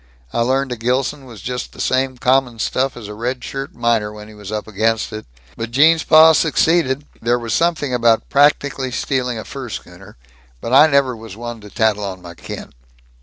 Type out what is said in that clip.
I learned a Gilson was just the same common stuff as a red shirt miner, when he was up against it. But Gene's pa succeeded there was something about practically stealing a fur schooner but I never was one to tattle on my kin.